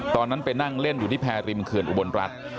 ตอนนั้นไปนั่งเล่นอยู่ที่แพรริมเขื่อนอุบลรัฐ